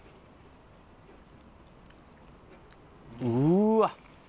うわっ！